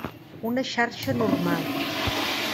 Una xarxa normal.